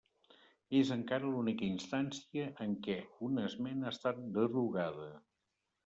És encara l'única instància en què una esmena ha estat derogada.